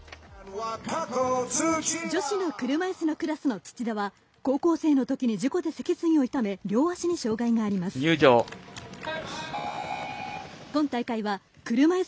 女子の車いすのクラスの土田は高校生のときに事故で脊髄を痛め両足に障がいがあります。